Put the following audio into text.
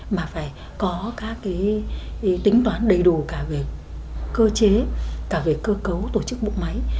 mà phải có các cái tính toán đầy đủ cả về cơ chế cả về cơ cấu tổ chức bộ máy